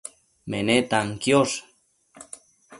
menetan quiosh